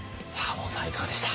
門さんいかがでした？